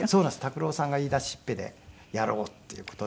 拓郎さんが言い出しっぺでやろうっていう事で。